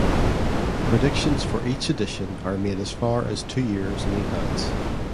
Predictions for each edition are made as far as two years in advance.